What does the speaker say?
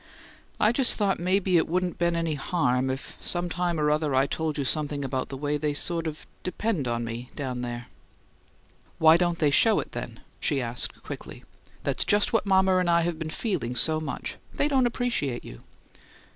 "I just thought maybe it wouldn't been any harm if some time or other I told you something about the way they sort of depend on me down there." "Why don't they show it, then?" she asked, quickly. "That's just what mama and I have been feeling so much; they don't appreciate you."